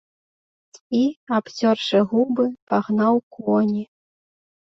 І, абцёршы губы, пагнаў коні.